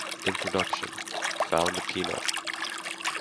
Introduction: Found a peanut!